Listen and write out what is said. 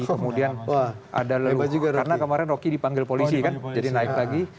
kemudian ada leluhu juga karena kemarin rocky dipanggil polisi kan jadi naik lagi